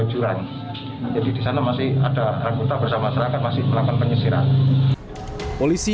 ajuran jadi di sana masih ada anggota bersama masyarakat masih melakukan penyisiran polisi